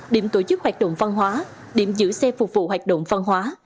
điểm tổ chức hoạt động văn hóa điểm giữ xe phục vụ hoạt động văn hóa